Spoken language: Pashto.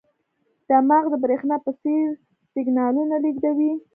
دماغ د برېښنا په څېر سیګنالونه لېږدوي.